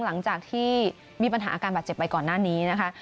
หลังจากที่มีปัญหาอาการบาดเจ็บไปก่อนหน้านี้นะคะ